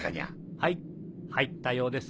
はい入ったようです。